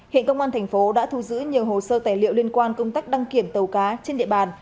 hiện công an thành phố đã thu giữ nhiều hồ sơ tài liệu liên quan công tác đăng kiểm tàu cá trên địa bàn